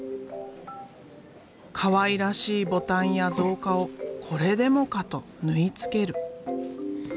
かわいらしいボタンや造花をこれでもかと縫い付ける。